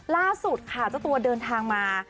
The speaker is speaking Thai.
ล่าสุดค่ะเจ้าตัวเดินทางมา